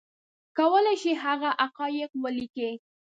کولی شي هغه حقایق ولیکي